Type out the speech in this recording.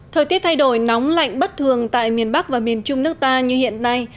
thời tiết thay đổi nóng lạnh bất thường tại miền bắc và miền trung nước ta như hiện nay